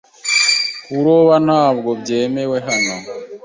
Kuroba ntabwo byemewe hano .